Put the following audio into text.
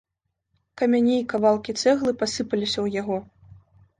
Камяні і кавалкі цэглы пасыпаліся ў яго.